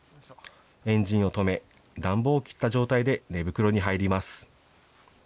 エンジンを止め、暖房を切った状態で寝袋に入ります。